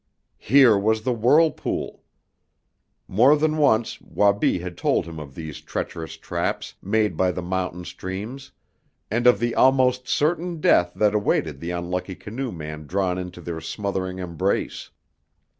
Here was the whirlpool! More than once Wabi had told him of these treacherous traps, made by the mountain streams, and of the almost certain death that awaited the unlucky canoe man drawn into their smothering embrace.